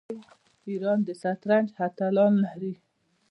ایران د شطرنج اتلان لري.